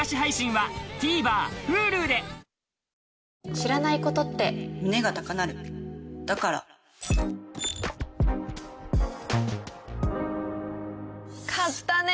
知らないことって胸が高鳴るだから買ったね。